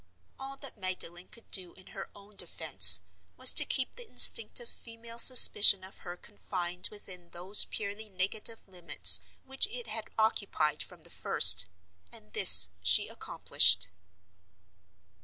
All that Magdalen could do in her own defense was to keep the instinctive female suspicion of her confined within those purely negative limits which it had occupied from the first, and this she accomplished.